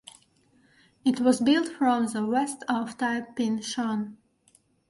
It was built from the west of Tai Ping Shan.